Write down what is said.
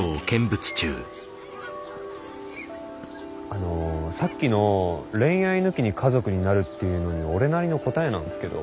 あのさっきの恋愛抜きに家族になるっていうのに俺なりの答えなんですけど。